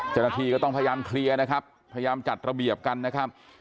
เจ้าหน้าที่ก็ต้องพยายามเคลียร์นะครับพยายามจัดระเบียบกันนะครับ